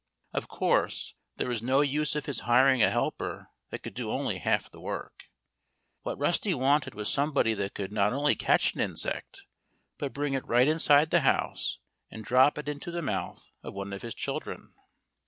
Of course, there was no use of his hiring a helper that could do only half the work. What Rusty wanted was somebody that could not only catch an insect, but bring it right inside the house and drop it into the mouth of one of his children.